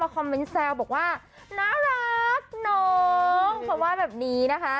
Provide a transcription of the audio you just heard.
ขอบพิธีสินะย์